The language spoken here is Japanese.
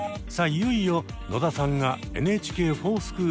いよいよ野田さんが「ＮＨＫｆｏｒＳｃｈｏｏｌ」